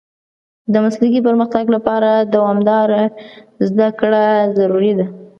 د مسلکي پرمختګ لپاره دوامداره زده کړه ضروري ده.